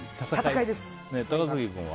高杉君は？